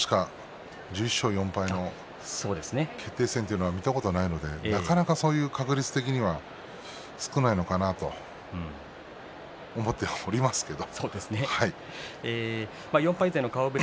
一度しか１１勝４敗の決定戦というのは見たことがないのでなかなか確率的には少ないのかなと思っておりますけれど。